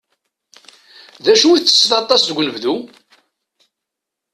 D acu i ttetteḍ aṭas deg unebdu?